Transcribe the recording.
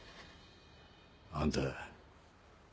あんた